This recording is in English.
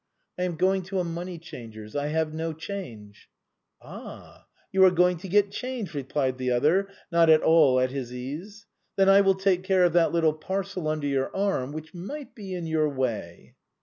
" I am going to a money changer's. I have no change." " Ah, you are going to get change !" replied the other, not at all at his ease. " Then I will take care of that little parcel under your arm, which might be in your way."